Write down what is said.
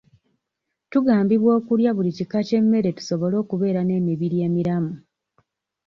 Tugambibwa okulya buli kika kya mmere tusobole okubeera n'emibiri emiramu.